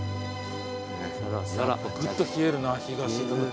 ぐっと冷えるな日が沈むと。